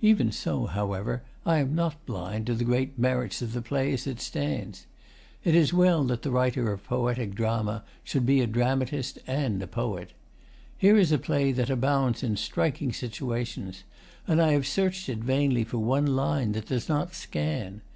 Even so, however, I am not blind to the great merits of the play as it stands. It is well that the writer of poetic drama should be a dramatist and a poet. Here is a play that abounds in striking situations, and I have searched it vainly for one line that does not scan.